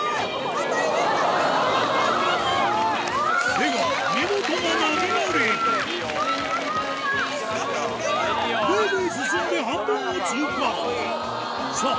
出川見事な波乗りぐいぐい進んで半分を通過さぁ